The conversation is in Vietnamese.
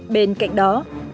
bên cạnh đó